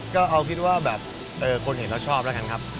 ก็เอาคิดว่าแบบคนเห็นเขาชอบแล้วกันครับ